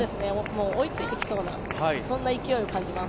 追いついてきそうなそんな勢いを感じます。